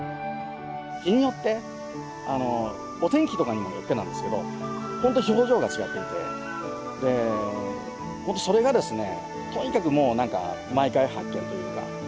日によってあのお天気とかにもよってなんですけどほんと表情が違っててでほんとそれがですねとにかくもうなんか毎回発見というか。